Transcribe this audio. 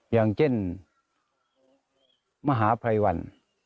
อย่างเช่นมหาภัยวัน